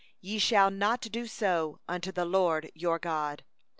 4Ye shall not do so unto the LORD your God.